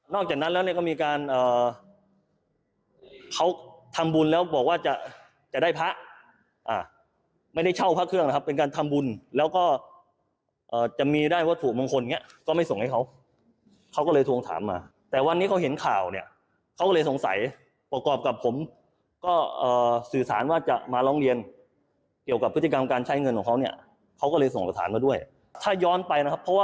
จากนั้นแล้วเนี่ยก็มีการเขาทำบุญแล้วบอกว่าจะจะได้พระไม่ได้เช่าพระเครื่องนะครับเป็นการทำบุญแล้วก็จะมีได้วัตถุมงคลอย่างเงี้ยก็ไม่ส่งให้เขาเขาก็เลยทวงถามมาแต่วันนี้เขาเห็นข่าวเนี่ยเขาก็เลยสงสัยประกอบกับผมก็สื่อสารว่าจะมาร้องเรียนเกี่ยวกับพฤติกรรมการใช้เงินของเขาเนี่ยเขาก็เลยส่งสถานมาด้วยถ้าย้อนไปนะครับเพราะว่า